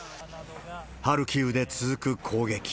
ハルキウで続く攻撃。